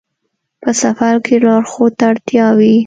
په سفر کې لارښود ته اړتیا وي.